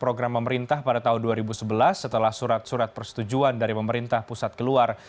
program pemerintah pada tahun dua ribu sebelas setelah surat surat persetujuan dari pemerintah pusat keluar